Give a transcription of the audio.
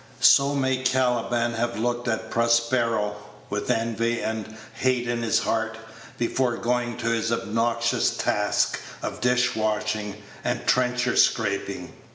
So may Caliban have looked at Prospero, with envy and hate in his heart, before going to his obnoxious tasks of dish washing and trencher scraping.